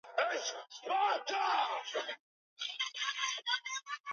Kazi ya ki askari na ku linda inchi